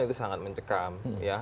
itu sangat mencekam